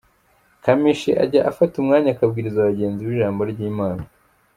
Kamichi ajya afata umwanya akabwiriza bagenzi be ijambo ry'Imana.